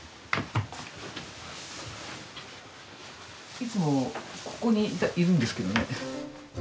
いつもここにいるんですけどね。